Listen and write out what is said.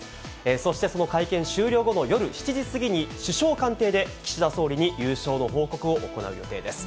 そしてその会見終了後の夜７時過ぎに、首相官邸で、岸田総理に優勝の報告を行う予定です。